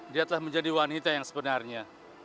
dia telah menjadi wanita yang sebenarnya